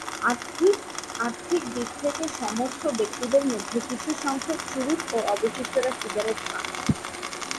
আর্থিক দিক থেকে সমর্থ ব্যক্তিদের মধ্যে কিছুসংখ্যক চুরুট ও অবশিষ্টরা সিগারেট পান করে।